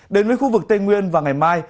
đến với khu vực tây nguyên vào ngày mai